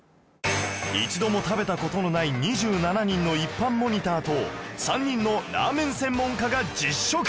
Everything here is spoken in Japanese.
一度も食べた事のない２７人の一般モニターと３人のラーメン専門家が実食